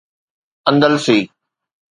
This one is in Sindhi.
اندلسي